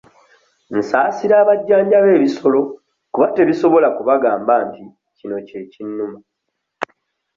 Nsaasira abajjanjaba ebisolo kuba tebisobola kubagamba nti kino kye kinnuma.